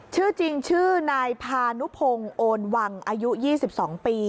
ชื่อจริงชื่อนายพานุพงศ์โอนวังอายุ๒๒ปี